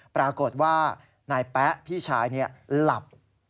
ปรากฏว่านายแป๊ะพี่ชายหลับ